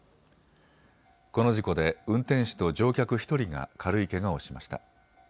この事故で運転士と乗客１人が軽いけがをしました。